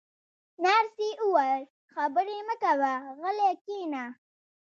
نرسې وویل: خبرې مه کوه، غلی کښېنه.